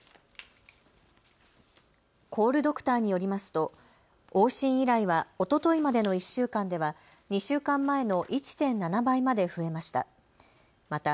コールドクターによりますと往診依頼はおとといまでの１週間では２週間前の１．７倍まで増えました。